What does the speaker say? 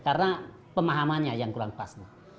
karena pemahamannya yang kurang pas